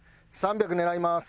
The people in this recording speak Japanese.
３００狙います。